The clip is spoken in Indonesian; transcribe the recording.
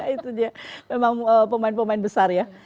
itu dia memang pemain pemain besar ya